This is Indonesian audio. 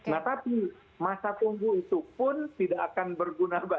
nah tapi masa tunggu itu pun tidak akan berguna banyak